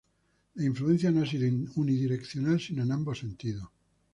La influencia no ha sido unidireccional, sino en ambos sentidos.